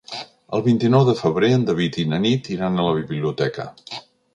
El vint-i-nou de febrer en David i na Nit iran a la biblioteca.